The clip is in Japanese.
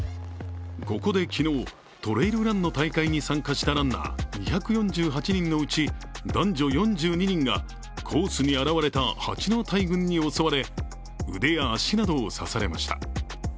ここで昨日、トレイルランの大会に参加したランナー２４８人のうち男女４２人がコースに現れたハチの大群に襲われ腕や足などを刺されました。